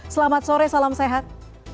selamat sore salam sehat